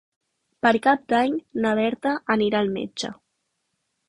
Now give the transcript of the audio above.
Per Cap d'Any na Berta anirà al metge.